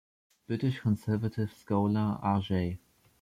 British conservative scholar R. J.